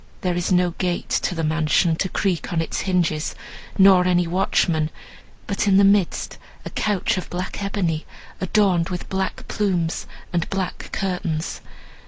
There is no gate to the mansion, to creak on its hinges, nor any watchman; but in the midst a couch of black ebony, adorned with black plumes and black curtains.